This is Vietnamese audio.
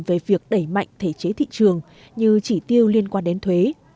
về việc đẩy mạnh thể chế thị trường như chỉ tiêu liên quan đến thuế